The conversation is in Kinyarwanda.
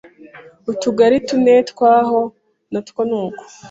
Utugari tune twaho natwo nuko